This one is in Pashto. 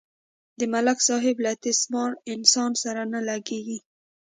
د ملک صاحب له تیس مار انسان سره نه لگېږي.